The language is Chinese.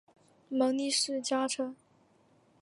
毛利氏家臣。